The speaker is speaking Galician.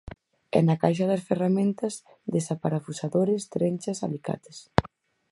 E na caixa das ferramentas desaparafusadores, trenchas, alicates.